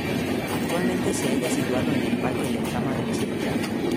Actualmente se halla situado en el Parque Lezama de esa ciudad.